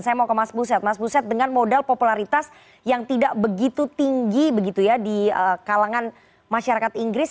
saya mau ke mas buset mas buset dengan modal popularitas yang tidak begitu tinggi di kalangan masyarakat inggris